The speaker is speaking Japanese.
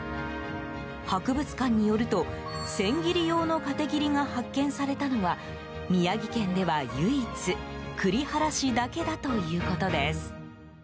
博物館によると、千切り用のかて切りが発見されたのは宮城県では、唯一栗原市だけだということです。